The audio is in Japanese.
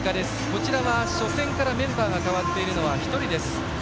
こちらは初戦からメンバーが代わっているのは１人です。